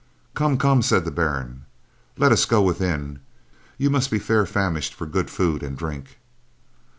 "Come, come," said the Baron, "let us go within. You must be fair famished for good food and drink."